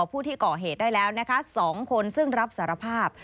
ผู้ที่ก่อเหตุได้แล้วนะคะ๒คนซึ่งรับสารภาพ